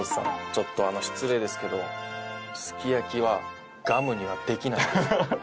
ちょっと失礼ですけどすき焼きはガムにはできない。